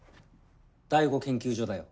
第五研究所だよ